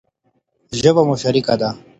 ژبه مو شريکه ده.